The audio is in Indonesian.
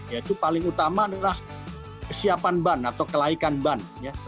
yaitu paling utama adalah kesiapan ban atau kelaikan ban